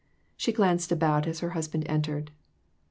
She glanced around as her husband entered.